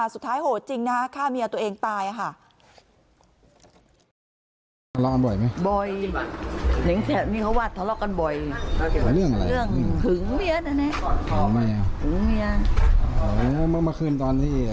สุดท้ายโหดจริงนะข้ามียาตัวเองตายค่ะ